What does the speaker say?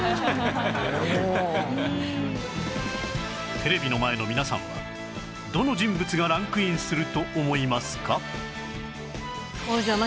テレビの前の皆さんはどの人物がランクインすると思いますか？